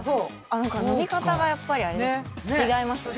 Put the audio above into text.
飲み方がやっぱり違いますね。